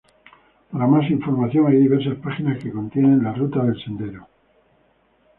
Para más información hay diversas páginas que contienen la ruta del sendero.